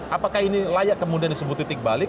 apakah ini layak kemudian disebut titik balik